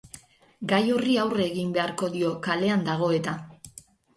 Gai horri aurre egin beharko dio, kalean dago eta.